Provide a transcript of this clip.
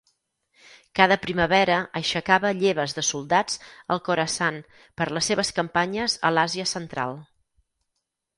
Cada primavera aixecava lleves de soldats al Khorasan per les seves campanyes a l'Àsia Central.